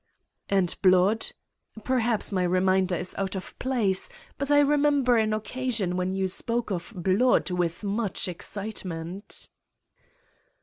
"And blood? Perhaps my reminder is out of place but I remember an occasion when you spoke of blood with much excitement.